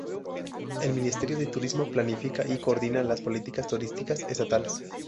El ministerio de Turismo planifica y coordina las políticas turísticas estatales.